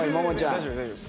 大丈夫です大丈夫です。